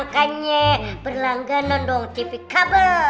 makanya berlangganan dong kipi kabel